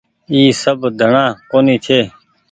اي سب ڌڻآ ڪونيٚ ڇي۔